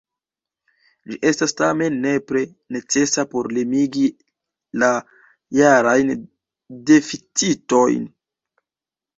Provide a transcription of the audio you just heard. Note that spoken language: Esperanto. Ĝi estas tamen nepre necesa por limigi la jarajn deficitojn.